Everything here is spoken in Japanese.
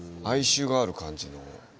哀愁がある感じの。